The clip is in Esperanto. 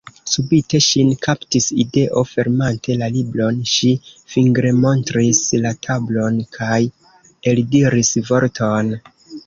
Subite ŝin kaptis ideo; fermante la libron, ŝi fingremontris la tablon kaj eldiris vorton.